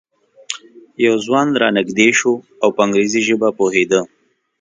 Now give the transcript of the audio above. یو ځوان را نږدې شو او په انګریزي ژبه پوهېده.